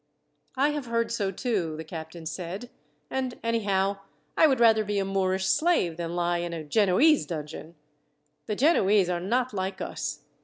"I have heard so, too," the captain said; "and anyhow, I would rather be a Moorish slave than lie in a Genoese dungeon. The Genoese are not like us.